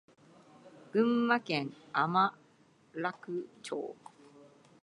群馬県甘楽町